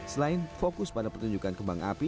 selain fokus pada pertunjukan kembang api